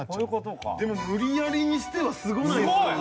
でも無理やりにしてはすごないですか？